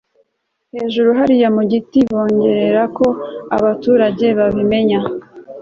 hejuru hariya mu giti bongorera, ko abaturage babimenye